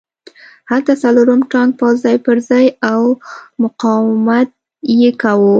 هلته څلورم ټانک پوځ ځای پرځای و او مقاومت یې کاوه